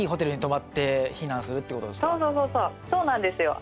そうなんですよ。